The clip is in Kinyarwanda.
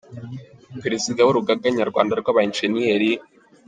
Perezida w’Urugaga Nyarwanda rw’aba Enjeniyeri, Eng.